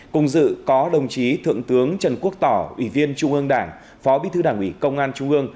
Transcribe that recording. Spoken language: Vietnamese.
cùng dự có đồng chí thượng tướng trần quốc tỏ ủy viên trung ương đảng phó bí thư đảng ủy công an trung ương